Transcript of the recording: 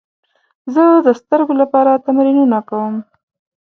زه د سترګو لپاره تمرینونه کوم.